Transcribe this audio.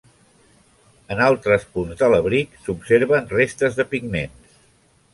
En altres punts de l'abric s'observen restes de pigments.